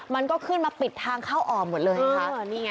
มันก็ขึ้นมาปิดทางเข้าออกหมดเลยค่ะ